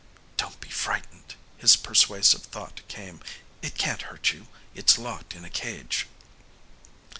"Don't be frightened," his persuasive thought came. "It can't hurt you. It's locked in a cage."